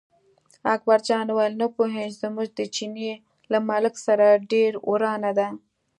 اکبرجان وویل نه پوهېږم، زموږ د چیني له ملک سره ډېره ورانه ده.